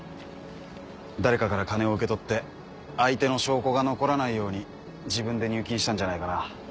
誰かから金を受け取って相手の証拠が残らないように自分で入金したんじゃないかな。